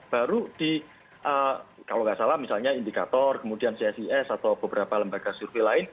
baru di kalau nggak salah misalnya indikator kemudian csis atau beberapa lembaga survei lain